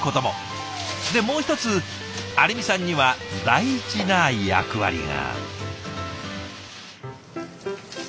でもう一つ有美さんには大事な役割が。